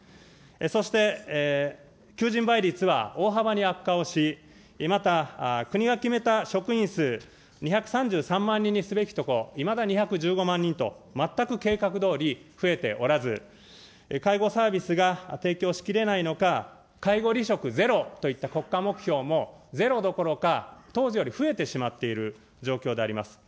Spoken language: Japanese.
そして、求人倍率は大幅に悪化をし、また、国が決めた職員数２３３万人すべきところ、いまだ２１５万人と、全く計画どおり増えておらず、介護サービスが提供しきれないのか、介護離職ゼロといった国家目標もゼロどころか、当時より増えてしまっている状況であります。